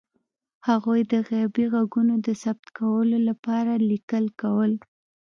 هغوی د غیبي غږونو د ثبت لپاره لیکل کول.